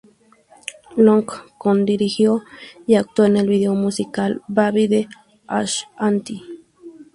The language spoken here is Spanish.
Long co-dirigió y actuó en el video musical "Baby" de Ashanti.